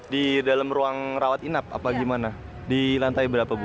di dalam ruang rawat inap apa gimana di lantai berapa bu